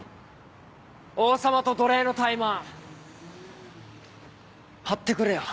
王様と奴隷のタイマン張ってくれよ。